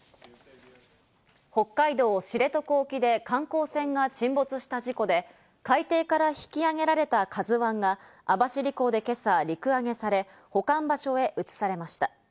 北海道知床沖で観光船が沈没した事故で、海底から引き揚げられた「ＫＡＺＵ１」が網走港で今朝、陸揚げされ、保管場所へ移されました。